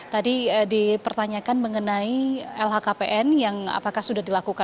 tadi dipertanyakan mengenai lhkpn yang apakah sudah dilakukan